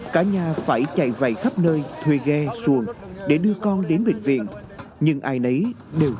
cả nhà phải chạy vầy khắp nơi thuê ghe xuồng để đưa con đến bệnh viện nhưng ai nấy đều từ chối